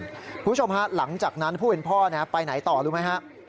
คุณผู้ชมฮะหลังจากนั้นผู้เป็นพ่อไปไหนต่อรู้ไหมฮะ